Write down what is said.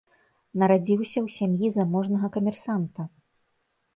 Нарадзіўся ў сям'і заможнага камерсанта.